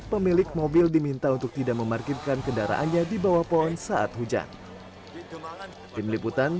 pemilik mobil diminta untuk tidak memarkirkan kendaraannya dibawa pohon saat hujan peneliputan